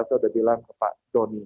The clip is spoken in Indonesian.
saya sudah bilang ke pak doni